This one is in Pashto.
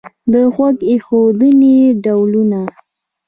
د غوږ ایښودنې ډولونه